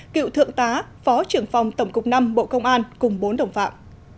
cựu thượng tá phó trưởng phòng tổng cục năm bộ công an cùng bốn đồng phạm